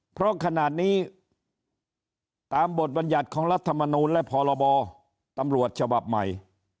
เพราะขนาดนี้ตามบทบรรยัติของรัฐมนูลและพรบตำรวจฉบับใหม่